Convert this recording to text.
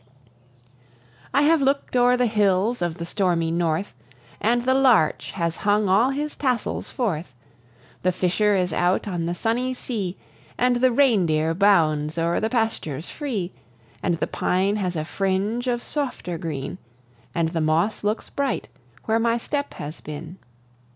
I have looked o'er the hills of the stormy North, And the larch has hung all his tassels forth; The fisher is out on the sunny sea, And the reindeer bounds o'er the pastures free, And the pine has a fringe of softer green, And the moss looks bright, where my step has been.